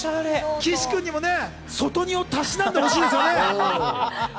岸君にも外二をたしなんでほしいですね。